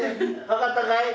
分かったかい？